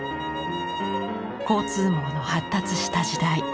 交通網の発達した時代。